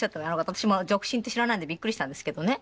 私も独身って知らないのでビックリしたんですけどね。